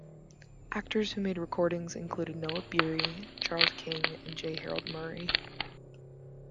Actors who made recordings included Noah Beery, Charles King, and J. Harold Murray.